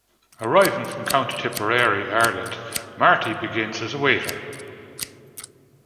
Arriving from County Tipperary, Ireland, Marty begins as a waiter.